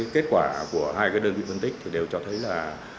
kết quả của hai đơn vị phân tích thì đều cho thấy là